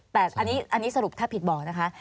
แต่อันนี้สรุปถ้าผิดบอกนะคะ